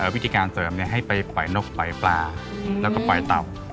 วิธีการเสริมให้ไปปล่อยนกปล่อยปลาแล้วก็ปล่อยเต่า